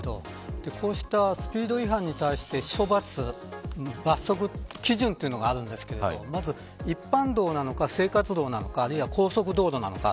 こうしたスピード違反に対して処罰罰則基準というのがあるんですけどまず一般道なのか、生活道なのかあるいは高速道路なのか